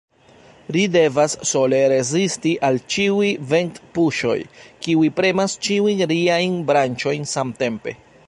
Ri devas sole rezisti al ĉiuj ventpuŝoj, kiuj premas ĉiujn riajn branĉojn samtempe.